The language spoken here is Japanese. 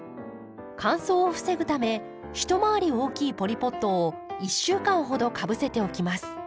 乾燥を防ぐため一回り大きいポリポットを１週間ほどかぶせておきます。